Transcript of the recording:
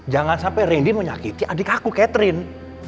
jangan sampai randy menyakiti adik aku catherine